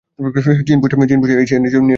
চীন Post Asia News নেটওয়ার্কের সদস্য ছিল।